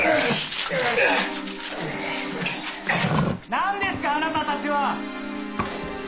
・何ですかあなたたちは？